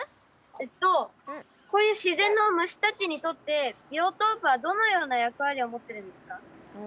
えっとこういう自然の虫たちにとってビオトープはどのような役割を持ってるんですか？